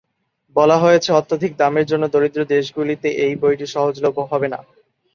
বলা হয়েছে, অত্যধিক দামের জন্য দরিদ্র দেশগুলিতে এই বইটি সহজলভ্য হবে না।